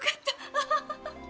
アハハハ。